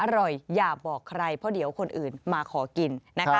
อร่อยอย่าบอกใครเพราะเดี๋ยวคนอื่นมาขอกิน